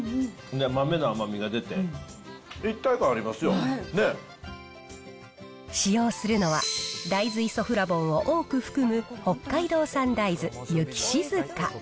豆の甘みが出て、使用するのは、大豆イソフラボンを多く含む北海道産大豆、ユキシズカ。